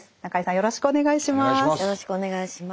よろしくお願いします。